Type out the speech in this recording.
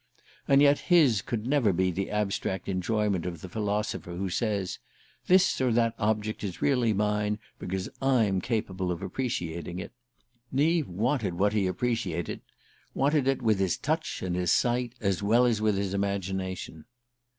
And yet his could never be the abstract enjoyment of the philosopher who says: "This or that object is really mine because I'm capable of appreciating it." Neave wanted what he appreciated wanted it with his touch and his sight as well as with his imagination.